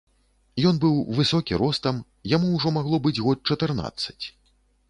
Ён быў высокі ростам, яму ўжо магло быць год чатырнаццаць.